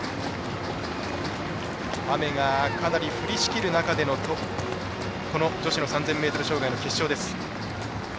雨がかなり降りしきる中での女子３０００ｍ障害の決勝。